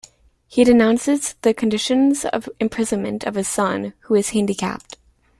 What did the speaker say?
He denounces the conditions of imprisonment of his son, who is handicapped.